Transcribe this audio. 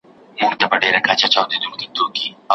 پېغلي ځي تر ښوونځیو ځوان مکتب لره روان دی